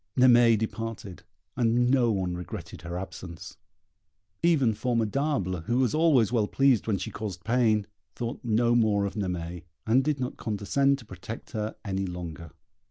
Naimée departed, and no one regretted her absence. Even Formidable, who was always well pleased when she caused pain, thought no more of Naimée, and did not condescend to protect her any longer.